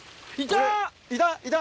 いた！